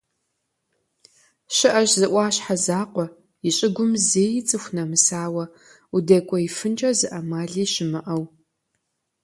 ЩыӀэщ зы Ӏуащхьэ закъуэ и щыгум зэи цӀыху нэмысауэ, удэкӀуеифынкӀэ зы Ӏэмали щымыӀэу.